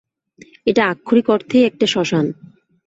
এটা আক্ষরিক অর্থেই একটা শ্মশান।